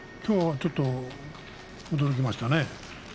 ちょっと驚きましたね。